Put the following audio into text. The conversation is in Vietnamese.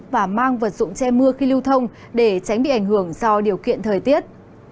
và mang vật dụng che mưa khi lưu thông để tránh bị ảnh hưởng do điều kiện thời tiết